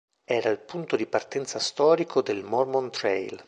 Era il punto di partenza storico del Mormon Trail.